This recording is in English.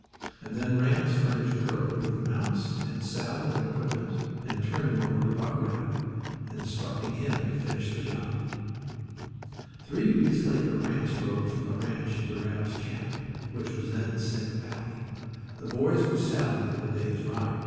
And then Ranse furnished Curly with mounts and saddle and equipment, and turned him over to Buck Rabb, instructing him to finish the job. Three weeks later Ranse rode from the ranch into Rabb's camp, which was then in Snake Valley. The boys were saddling for the day's ride.